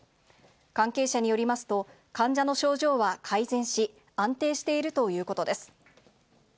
関係者によりますと、患者の症状は改善し、安定しているということです。